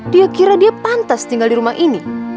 dia kira dia pantas tinggal di rumah ini